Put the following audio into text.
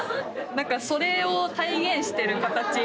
なんかそれを体現してる形。